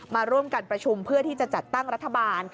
มาร่วมกันประชุมเพื่อที่จะจัดตั้งรัฐบาล